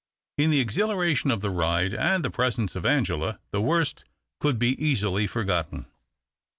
In the exhilaration of the ride and the presence of Angela, the worst could be easily forgotten.